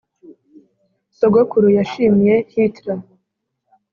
sogokuru yashimye hitler